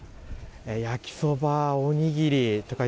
焼きそば、おにぎり